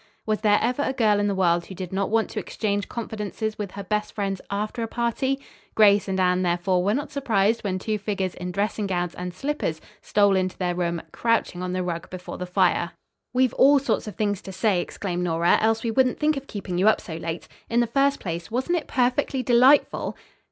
Was there ever a girl in the world who did not want to exchange confidences with her best friends after a party? Grace and Anne, therefore, were not surprised when two figures in dressing gowns and slippers stole into their room, crouching on the rug before the fire. "We've all sorts of things to say," exclaimed Nora, "else we wouldn't think of keeping you up so late. In the first place, wasn't it perfectly delightful?"